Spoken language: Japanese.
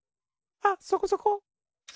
あっそこそこ。